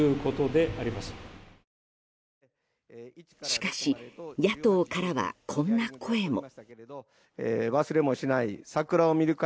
しかし、野党からはこんな声も。